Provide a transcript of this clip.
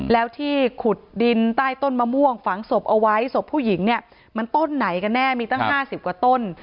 แล้วที่ขุดดินใต้ต้นมะม่วงฝังศพเอาไว้ศพผู้หญิงเนี่ยมันต้นไหนกันแน่มีตั้ง๕๐กว่าต้น